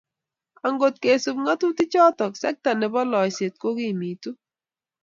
Angot kesup ng'atutichotok, sekta nebo loiseet kokimitu.